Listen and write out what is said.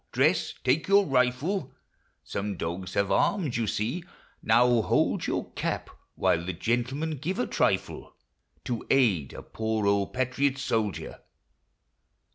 Dress ! Take your rifle ! (Some dogs have arms, you see !) Now hold your Cap while the gentlemen give a trifle, To aid a poor old patriot soldier